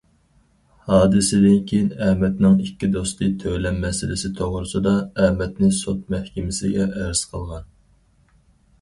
ھادىسىدىن كېيىن، ئەمەتنىڭ ئىككى دوستى تۆلەم مەسىلىسى توغرىسىدا ئەمەتنى سوت مەھكىمىسىگە ئەرز قىلغان.